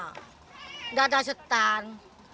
nggak ada setan